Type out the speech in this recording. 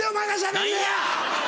何や！